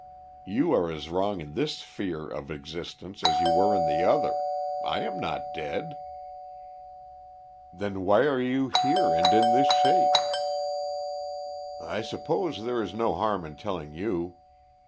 "You are as wrong in this sphere of existence as you were in the other. I am not dead." "Then why are you here and in this shape?" "I suppose there is no harm in telling you.